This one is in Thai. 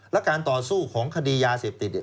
และการต่อสู้ของคดียาเสพติดเนี่ย